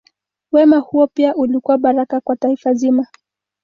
Wema huo pia ulikuwa baraka kwa taifa zima.